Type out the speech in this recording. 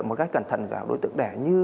một cách cẩn thận cả đối tượng đẻ như